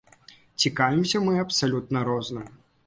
Цікавімся мы абсалютна розным.